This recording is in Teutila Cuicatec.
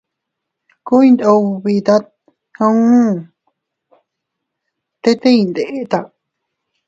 Ku iyndubitat uu, tet ii iyndeta.